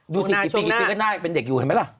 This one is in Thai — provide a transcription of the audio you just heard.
ดูสิกริกกริกก็ได้เป็นเด็กอยู่เห็นไหมล่ะ